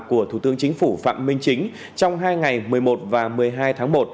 của thủ tướng chính phủ phạm minh chính trong hai ngày một mươi một và một mươi hai tháng một